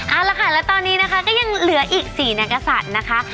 เอาละค่ะแล้วตอนนี้นะคะก็ยังเหลืออีก๔นักกษัตริย์นะคะ